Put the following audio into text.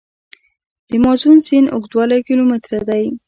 د مازون سیند اوږدوالی کیلومتره دی.